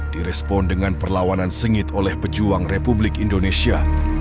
direspon dengan perlawanan sengit oleh pejuang republik indonesia